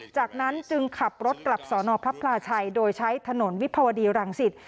จากนั้นจึงขับรถกลับสอนอพระพลาชัยโดยใช้ถนนวิภาวดีรังสิต